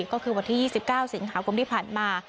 ก็คือวันที่ยี่สิบเก้าศิลป์ขาวคมที่ผ่านมา